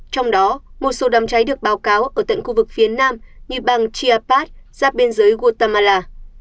trong đó một số đám cháy được báo cáo ở tận khu vực phía nam như bang chiapas giáp bên dưới guatemala